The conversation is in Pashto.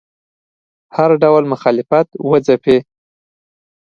هر ډول مخالفت وځپي